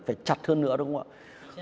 phải chặt hơn nữa đúng không ạ